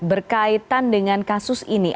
berkaitan dengan kasus ini